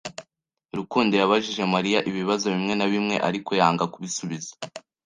Rukundo yabajije Mariya ibibazo bimwe na bimwe, ariko yanga kubisubiza.